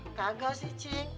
gak bisa sih cik